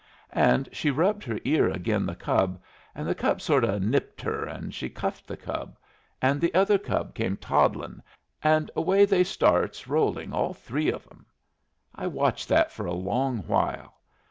And she rubbed her ear agin the cub, and the cub sort o' nipped her, and she cuffed the cub, and the other cub came toddlin', and away they starts rolling all three of 'em! I watched that for a long while.